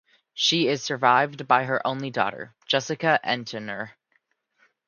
She is survived by her only daughter, Jessica Entner.